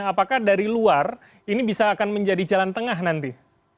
apakah dari luar ini bisa akan menjadi jalan tengah nanti